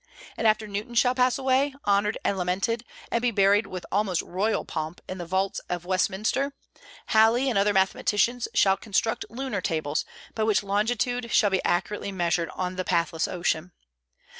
And after Newton shall pass away, honored and lamented, and be buried with almost royal pomp in the vaults of Westminster, Halley and other mathematicians shall construct lunar tables, by which longitude shall be accurately measured on the pathless ocean.